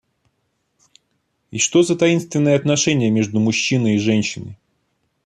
И что за таинственные отношения между мужчиной и женщиной?